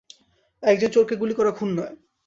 একজন চোরকে গুলি করা খুন নয়।